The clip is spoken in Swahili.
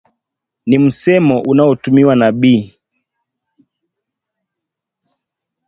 Ni msemo unaotumiwa na Bi